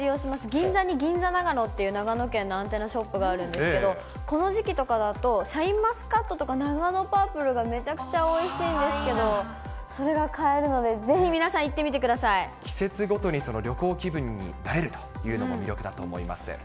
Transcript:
銀座に銀座長野っていう長野県のアンテナショップがあるんですけれども、この時期とかだとシャインマスカットとかナガノパープルがめちゃくちゃおいしいんですけど、それが買えるので、季節ごとに旅行気分になれるというのも魅力だと思います。